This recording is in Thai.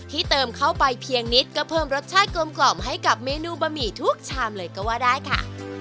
เติมเข้าไปเพียงนิดก็เพิ่มรสชาติกลมให้กับเมนูบะหมี่ทุกชามเลยก็ว่าได้ค่ะ